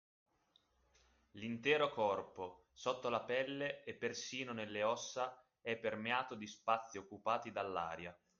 L’intero corpo, sotto la pelle e persino nelle ossa è permeato di spazi occupati dall’aria